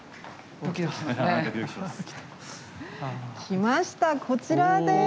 きましたこちらです！